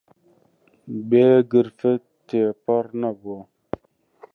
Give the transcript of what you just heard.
بێ گرفت تێپەڕ نەبووە